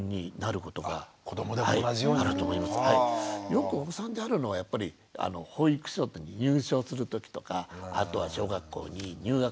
よくお子さんであるのはやっぱり保育所入所する時とかあとは小学校に入学する時。